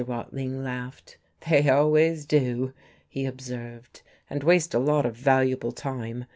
Watling laughed. "They always do," he observed, "and waste a lot of valuable time.